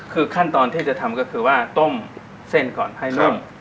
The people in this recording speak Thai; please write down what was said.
คือขั้นตอนที่จะทำก็คือว่าต้มเส้นก่อนให้นุ่ม